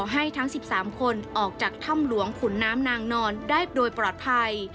ให้ทั้ง๑๓คนออกจากถ้ำหลวงขุนน้ำนางนอนได้โดยปลอดภัย